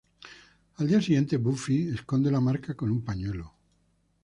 Al día siguiente Buffy esconde la marca con un pañuelo.